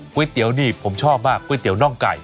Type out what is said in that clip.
เตี๋ยวนี่ผมชอบมากก๋วยเตี๋ยน่องไก่